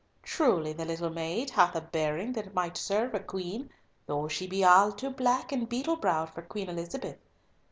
Truly the little maid hath a bearing that might serve a queen, though she be all too black and beetle browed for Queen Elizabeth.